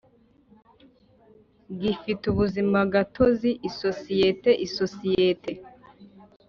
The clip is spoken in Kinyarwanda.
Gifite ubuzimagatozi isosiyete isosiyete